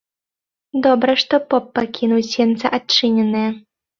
Добра, што поп пакінуў сенцы адчыненыя.